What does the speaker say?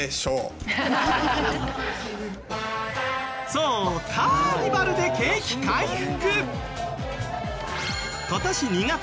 そうカーニバルで景気回復！